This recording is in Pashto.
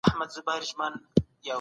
سیاستوال به نړیوالي اړیکي پیاوړي کړي.